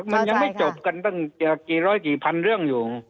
มันยังไม่จบกันตั้งกี่ร้อยกี่พันเรื่องอยู่